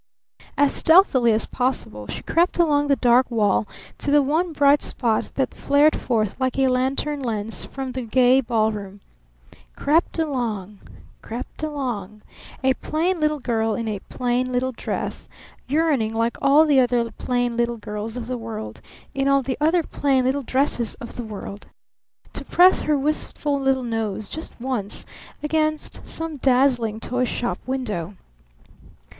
As stealthily as possible she crept along the dark wall to the one bright spot that flared forth like a lantern lens from the gay ballroom crept along crept along a plain little girl in a plain little dress, yearning like all the other plain little girls of the world, in all the other plain little dresses of the world, to press her wistful little nose just once against some dazzling toy shop window.